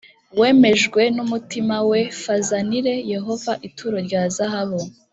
Wemejwe n umutima we f azanire yehova ituro rya zahabu